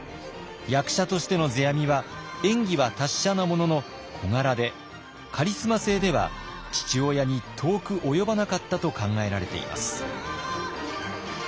役者としての世阿弥は演技は達者なものの小柄でカリスマ性では父親に遠く及ばなかったと考えられています。